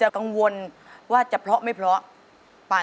ส่งที่คืน